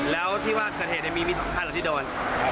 แล้วที่ว่าเกิดเหตุมีมี๒คันเหรอที่โดน